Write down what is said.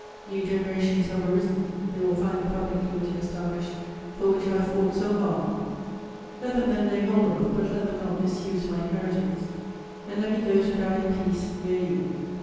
New generations have arisen, they will find the public liberty established for which I have fought so hard: let them then lay hold of, but let them not misuse my inheritance, and let me go to die in peace near you.